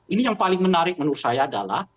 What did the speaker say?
ini yang paling menarik menurut saya adalah